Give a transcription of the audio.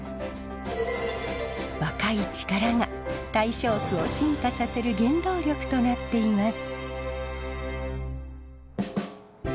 若い力が大正区を進化させる原動力となっています。